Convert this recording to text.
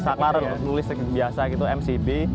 saklar untuk listrik biasa gitu mcb